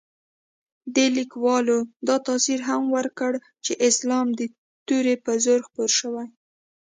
دې لیکوالو دا تاثر هم ورکړ چې اسلام د تورې په زور خپور شوی.